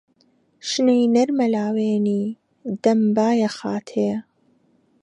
شنەی نەرمە لاوێنی دەم بای ئەخاتێ.